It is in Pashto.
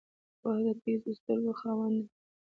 باز د تېزو سترګو خاوند دی